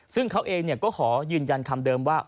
ซึ่งเขาเองก็ขอยืนยันคำเดิมว่า